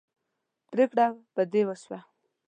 پرېکړه په دې وشوه.